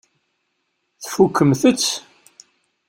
Tfukkemt-t?